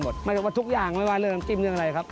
ไม่ใช่ว่าทุกอย่างไม่ว่าเรื่องน้ำจิ้มเรื่องอะไรครับ